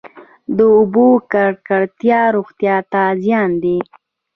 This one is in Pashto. د اوبو ککړتیا روغتیا ته زیان دی.